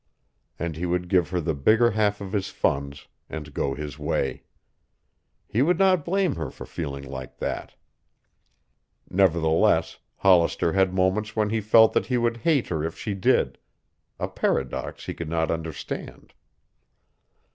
And he would give her the bigger half of his funds and go his way. He would not blame her for feeling like that. Nevertheless, Hollister had moments when he felt that he would hate her if she did, a paradox he could not understand.